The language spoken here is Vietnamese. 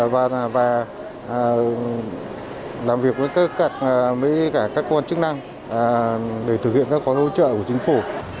và làm việc với các cơ quan chức năng để thực hiện các khói hỗ trợ của chính phủ